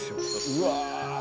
うわ。